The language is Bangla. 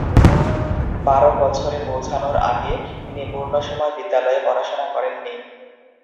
বারো বছরে পৌঁছানোর আগে তিনি পূর্ণসময় বিদ্যালয়ে পড়াশোনা করেননি।